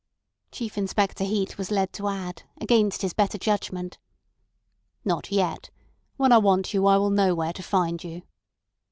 Chief Inspector Heat was led to add, against his better judgment: "Not yet. When I want you I will know where to find you."